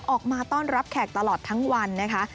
ออกมาต้อนรับแขกตลอดทั้งวันนะคะ